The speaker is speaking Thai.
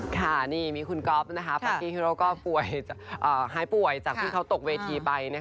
ค่ะนี่มีคุณก๊อฟนะคะฟาร์กี้ฮีโร่ก็ป่วยหายป่วยจากที่เขาตกเวทีไปนะคะ